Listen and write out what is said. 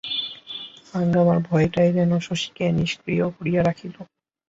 হাঙ্গামার ভয়টাই যেন শশীকে নিক্রিয় করিয়া রাখিল।